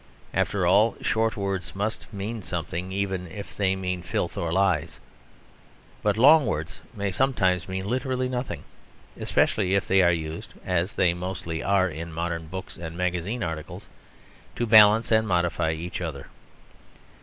After all, short words must mean something, even if they mean filth or lies; but long words may sometimes mean literally nothing, especially if they are used (as they mostly are in modern books and magazine articles) to balance and modify each other.